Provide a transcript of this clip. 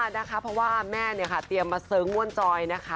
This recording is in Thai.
นะคะเพราะว่าแม่เนี่ยค่ะเตรียมมาเซิงม่วนจอยนะคะ